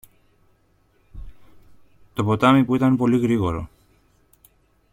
το ποτάμι που ήταν πολύ γρήγορο